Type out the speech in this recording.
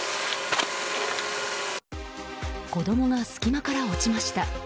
子供が隙間から落ちました。